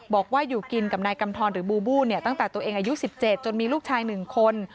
บอกว่าอยู่กินกับนายกำทรหรือบูบูเนี่ยตั้งแต่ตัวเองอายุ๑๗จนมีลูกชาย๑คน